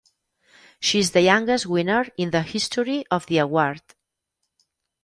She is the youngest winner in the history of the award.